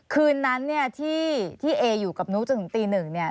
คืนนั้นเนี่ยที่เออยู่กับนุ๊กจนถึงตีหนึ่งเนี่ย